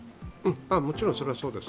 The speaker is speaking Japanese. もちろんそれはそうです。